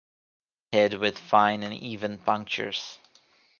Head with fine and even punctures.